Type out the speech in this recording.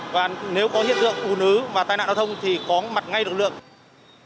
và nếu có hiện tượng chúng ta sẽ đưa các đơn vị đến bến xe